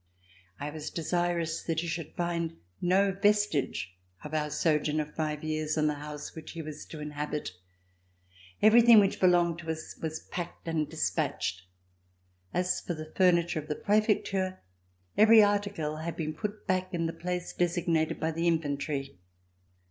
I was desirous that he should find no vestige of our sojourn of five years in the house which he was to inhabit. Everything which belonged to us was packed and dispatched. As for the furniture of the Prefecture, every article had been put back in the place designated by the in ventory.